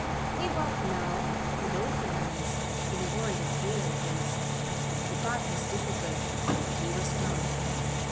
He walked now, with open eyes, in a world of real things. The path was difficult, but he was strong.